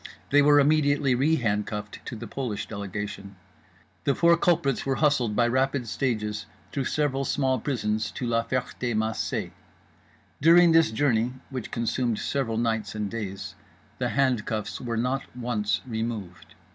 They were immediately re handcuffed to the Polish delegation. The four culprits were hustled, by rapid stages, through several small prisons to La Ferté Macé. During this journey (which consumed several nights and days) the handcuffs were not once removed.